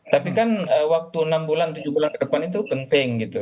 tapi kan waktu enam bulan tujuh bulan ke depan itu penting gitu